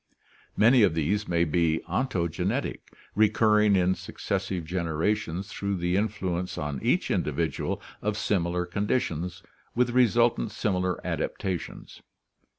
Many of these may be ontogenetic, recurring in successive generations through the influence on each individual of similar conditions with resultant similar adaptations.